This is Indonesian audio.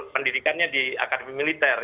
pendidikannya di akademi militer